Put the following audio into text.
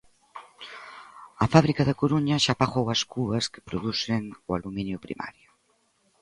A fábrica da Coruña xa apagou as cubas que producen o aluminio primario.